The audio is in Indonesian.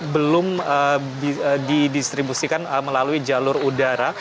belum didistribusikan melalui jalur udara